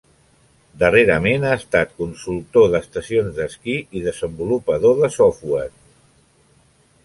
Darrerament ha estat consultor d'estacions d'esquí i desenvolupador de software.